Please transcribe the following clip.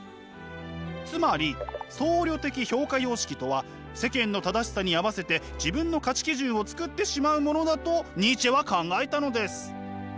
つまり僧侶的評価様式とは世間の正しさに合わせて自分の価値基準を作ってしまうものだとニーチェは考えたのです。